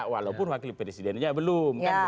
walaupun wakil presidennya belum